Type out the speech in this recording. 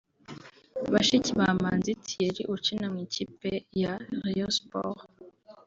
Bashiki ba Manzi Thierry ukina mu ikipe ya Rayon Sports